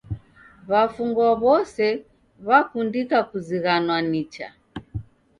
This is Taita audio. W'afungwa w'ose w'akundika kuzighanwa nicha.